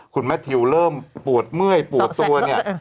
คุณแมททิวเริ่มปวดเมื่อยปวดตัวเนี่ย